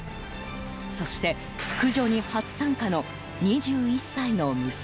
そして駆除に初参加の２１歳の娘。